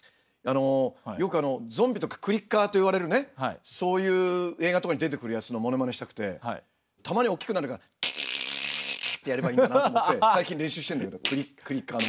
よくゾンビとかクリッカーといわれるねそういう映画とかに出てくるやつのモノマネしたくてたまに大きくなる「カ」ってやればいいのかなと思って最近練習してるんだけどクリッカーのマネ。